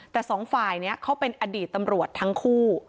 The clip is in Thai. แต่สองฝ่ายนี้เขาเป็นอดีตตำรวจทั้งคู่